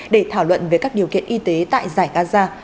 để thảo luận về các điều kiện y tế tại giải gaza